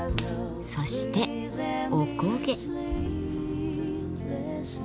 そしておこげ。